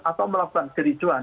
atau melakukan kericuan